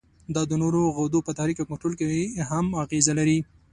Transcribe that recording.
دا د نورو غدو په تحریک او کنترول کې هم اغیزه لري.